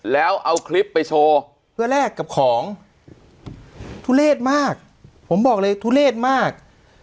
แล้วเอาคลิปไปโชว์เพื่อแลกกับของทุเลศมากผมบอกเลยทุเลศมาก